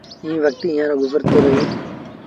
ائيٚݩ وکت ايٚئآݩ رو گزرتو رهيو